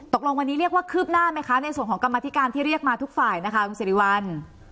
ตกลงวันนี้เรียกว่าคืบหน้าไหมคะในส่วนของกรรมธิการที่เรียกมาทุกฝ่ายนะคะคุณสิริวัล